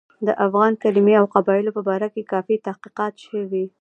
د افغان کلمې او قبایلو په باره کې کافي تحقیقات شوي.